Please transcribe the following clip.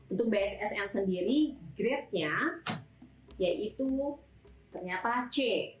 untuk bssn sendiri grade nya yaitu ternyata c